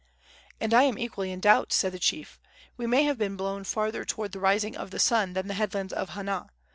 "And I am equally in doubt," said the chief. "We may have been blown farther toward the rising of the sun than the headlands of Hana.